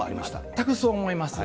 全くそう思います。